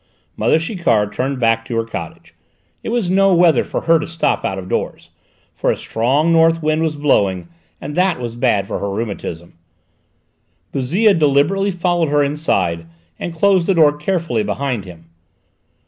Mother Chiquard turned back into her cottage; it was no weather for her to stop out of doors, for a strong north wind was blowing, and that was bad for her rheumatism. Bouzille deliberately followed her inside and closed the door carefully behind him.